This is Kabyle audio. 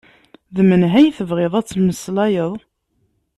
D menhu tebɣiḍ ad tmeslayeḍ?